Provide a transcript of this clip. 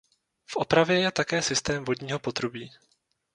V opravě je také systém vodního potrubí.